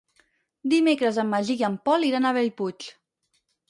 Dimecres en Magí i en Pol iran a Bellpuig.